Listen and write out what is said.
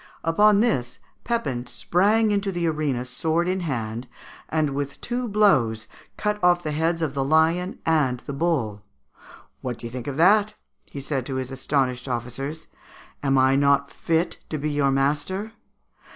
Upon this, Pepin sprang into the arena sword in hand, and with two blows cut off the heads of the lion and the bull. "What do you think of that?" he said to his astonished officers. "Am I not fit to be your master?